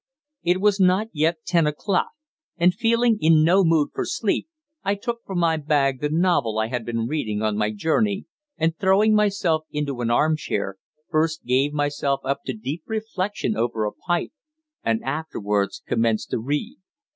It was not yet ten o'clock, and feeling in no mood for sleep, I took from my bag the novel I had been reading on my journey and, throwing myself into an armchair, first gave myself up to deep reflection over a pipe, and afterwards commenced to read.